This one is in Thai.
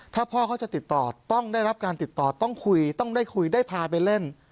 ถ้าพ่อเขาจะติดต่อต้องได้รับการติดต่อต้องคุยต้องได้คุยได้พาไปเล่น